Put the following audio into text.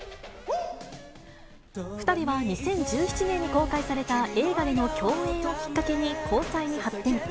２人は、２０１７年に公開された映画での共演をきっかけに交際に発展。